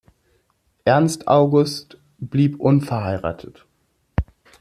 Ernst August blieb unverheiratet.